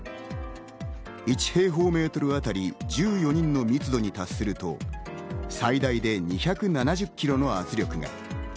１平方メートルあたり１４人の密度に達すると、最大で２７０キロの圧力が。